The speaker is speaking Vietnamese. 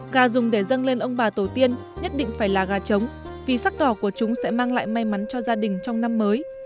gà dùng để dâng lên ông bà tổ tiên nhất định phải là gà trống vì sắc đỏ của chúng sẽ mang lại may mắn cho gia đình trong năm mới